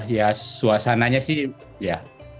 ya suasananya sih ya